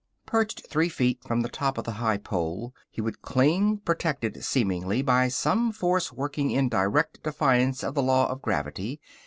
Perched three feet from the top of the high pole he would cling protected, seemingly, by some force working in direct defiance of the law of gravity.